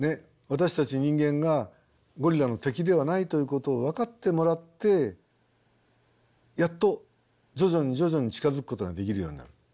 私たち人間がゴリラの敵ではないということを分かってもらってやっと徐々に徐々に近づくことができるようになる。